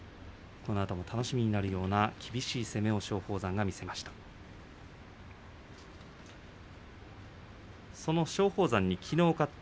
このあとも楽しみになるような厳しい攻めの松鳳山でした。